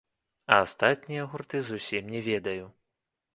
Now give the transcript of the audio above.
А астатнія гурты зусім не ведаю.